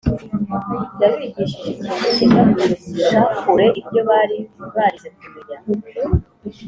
yabigishije ikintu cyiza kurusha kure ibyo bari barigeze kumenya